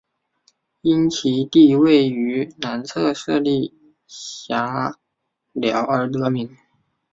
因其地位于南侧设立隘寮而得名。